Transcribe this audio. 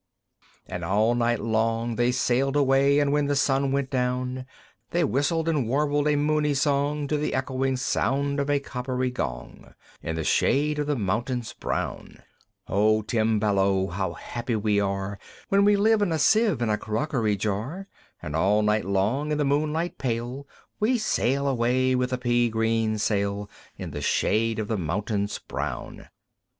IV. And all night long they sailed away; And when the sun went down, They whistled and warbled a moony song To the echoing sound of a coppery gong, In the shade of the mountains brown. "O Timballo! How happy we are, When we live in a Sieve and a crockery jar, And all night long in the moonlight pale, We sail away with a pea green sail, In the shade of the mountains brown!"